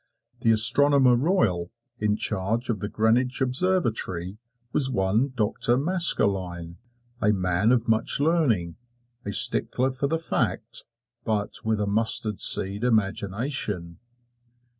The Astronomer Royal, in charge of the Greenwich Observatory, was one Doctor Maskelyne, a man of much learning, a stickler for the fact, but with a mustard seed imagination.